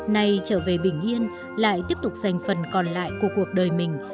nay trở về bình yên lại tiếp tục giành phần còn lại của cuộc đời mình